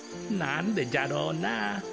なんでじゃろうな。